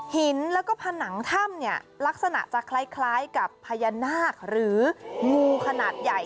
หินแล้วก็ผนังถ้ำเนี่ยลักษณะจะคล้ายกับพญานาคหรืองูขนาดใหญ่